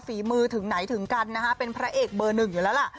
ฝีมือถึงไหนถึงกันนะคะเป็นพระเอกเบอร์หนึ่งอยู่แล้วล่ะ